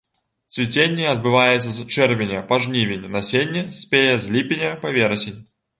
Цвіценне адбываецца з чэрвеня па жнівень, насенне спее з ліпеня па верасень.